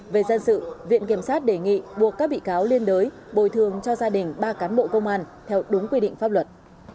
về dân sự viện kiểm sát đề nghị buộc các bị cáo liên đới bồi thường cho gia đình ba cán bộ công an theo đúng quy định pháp luật